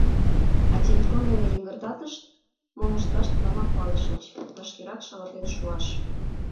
А телефон дене йыҥгыртатышт — мом ышташ тунамак палышыч: вашкерак шалатен шуаш!